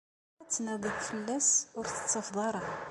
Ad tnadiḍ fell-as, ur t-tettafeḍ ara.